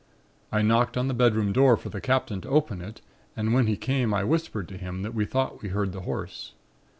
I knocked on the bedroom door for the Captain to open it and when he came I whispered to him that we thought we heard the Horse.